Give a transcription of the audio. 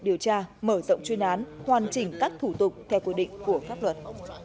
điều tra mở rộng chuyên án hoàn chỉnh các thủ tục theo quy định của pháp luật